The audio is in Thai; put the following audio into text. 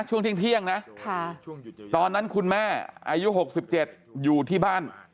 ช่วงเที่ยงนะตอนนั้นคุณแม่อายุ๖๗อยู่ที่บ้าน